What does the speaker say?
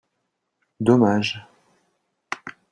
Dommage